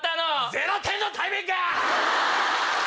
ゼロ点のタイミング‼